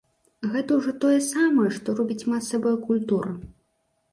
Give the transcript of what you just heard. А гэта ўжо тое самае, што робіць масавая культура.